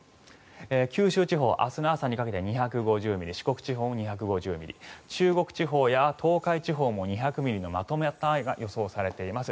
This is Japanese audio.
九州地方明日の朝にかけて２５０ミリ四国地方、２５０ミリ中国地方や東海地方も２００ミリのまとまった雨が予想されています。